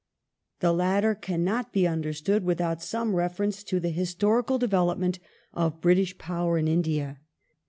The latter cannot be understood without some reference to the historical development of British power in India.